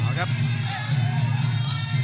ใช้เวลาคว่า